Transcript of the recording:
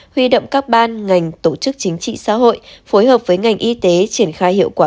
huy động các ban ngành tổ chức chính trị xã hội phối hợp với ngành y tế triển khai hiệu quả